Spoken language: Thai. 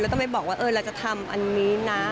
เราต้องไปบอกว่าเราจะทำอันนี้นะ